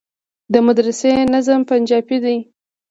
د مدرسې ناظم پنجابى دى.